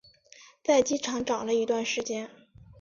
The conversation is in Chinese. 在机场找了一段时间